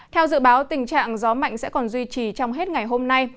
theo dự báo tình trạng gió mạnh sẽ còn duy trì trong hết ngày hôm nay